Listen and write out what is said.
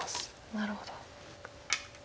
なるほど。